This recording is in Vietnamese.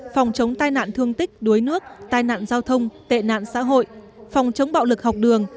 phòng chống tai nạn thương tích đuối nước tai nạn giao thông tệ nạn xã hội phòng chống bạo lực học đường